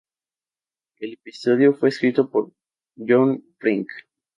El episodio fue escrito por John Frink.